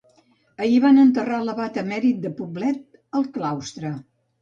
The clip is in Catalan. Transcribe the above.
Ahir van enterrar l'abat emèrit de Poblet al claustre.